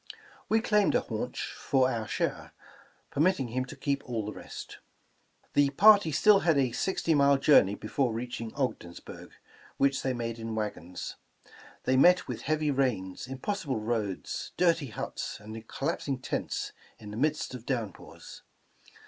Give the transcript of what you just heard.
We claimed a haunch for our share, permitting him to keep aU the rest.*' 285 The Original John Jacob Astor The party still had a sixty mile journey before reaching Ogdensburg, which they made in wagons. They met with heavy rains, impossible roads, dirty huts and collapsing tents in the midst of downpours.